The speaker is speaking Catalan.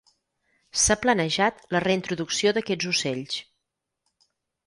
S'ha planejat la reintroducció d'aquests ocells.